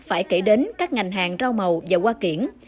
phải kể đến các ngành hàng rau màu và hoa kiển